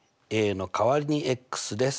の代わりにです。